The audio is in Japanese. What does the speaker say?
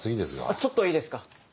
ちょっといいですか。